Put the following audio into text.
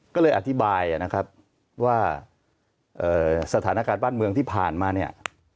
ก็เลยอธิบายนะครับว่าสถานการณ์บ้านเมืองที่ผ่านมาเนี่ย